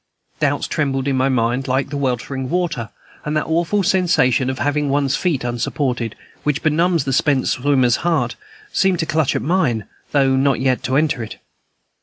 Doubts trembled in my mind like the weltering water, and that awful sensation of having one's feet unsupported, which benumbs the spent swimmer's heart, seemed to clutch at mine, though not yet to enter it.